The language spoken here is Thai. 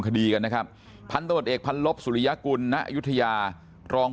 คดีกันนะครับพันธุ์ตำรวจเอกพันธุ์ลบสุริยกุลณยุธยารอง